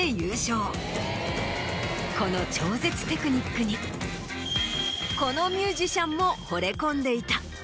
この超絶テクニックにこのミュージシャンも惚れ込んでいた。